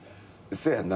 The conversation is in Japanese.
そやんな。